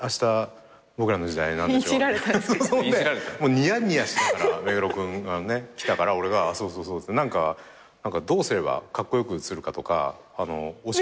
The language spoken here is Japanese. ニヤニヤしながら目黒君が来たから俺がそうそうってどうすればカッコ良く映るかとか教えてよ。